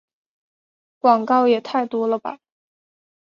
广告也太多了吧